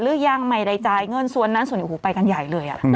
หรือยังไม่ได้จ่ายเงินส่วนนั้นส่วนอื่นไปกันใหญ่เลย